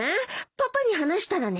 パパに話したらね。